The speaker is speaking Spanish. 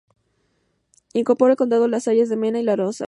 Incorpora al condado los valles de Mena y Losa.